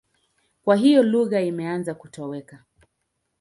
Kwa hiyo lugha imeanza kutoweka.